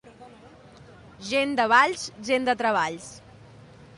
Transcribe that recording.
Gent de Valls, gent de treballs.